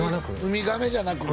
ウミガメじゃなく？